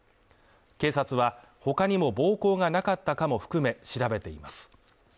警察はほかにも暴行がなかったかも含め調べています。